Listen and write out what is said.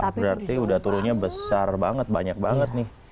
berarti udah turunnya besar banget banyak banget nih